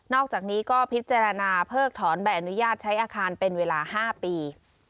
อกจากนี้ก็พิจารณาเพิกถอนใบอนุญาตใช้อาคารเป็นเวลา๕ปี